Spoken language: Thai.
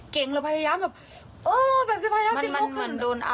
เก่งแล้วพยายามแบบเออแบบจะพยายามมันมันมันมันโดนเอ่อ